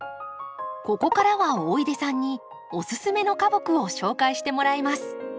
ここからは大出さんにおすすめの花木を紹介してもらいます。